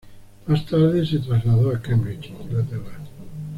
Más tarde se trasladó a Cambridge, Inglaterra.